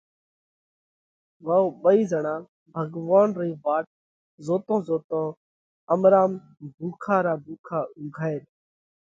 ُو ٻيئي زڻا ڀڳوونَ رئِي واٽ زوتون زوتون امرام ڀُوکا را ڀُوکا اُنگھائي ريا۔